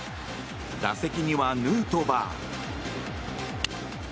打席にはヌートバー。